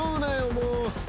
もう。